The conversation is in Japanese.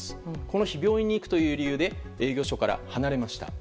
この日、病院に行くという理由で営業所から離れました。